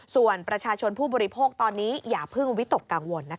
ส่วนประชาชนผู้บริโภคตอนนี้อย่าเพิ่งวิตกกังวล